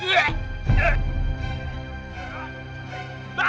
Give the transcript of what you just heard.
tidak tidak tidak